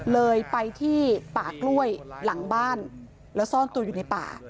เลยไปที่ป่ากล้วยหลังบ้านแล้วซ่อนตัวอยู่ในป่า